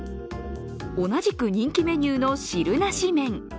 同じく人気メニューの汁なし麺。